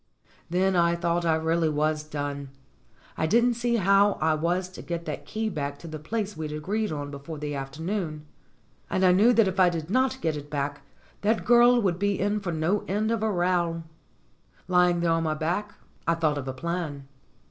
Then I thought I really was done. I didn't see how I was to get that key back to the place we'd agreed on before the afternoon. And I knew that if I did not get it back that girl would be in for no end of a row. Lying there on my back, I thought of a plan.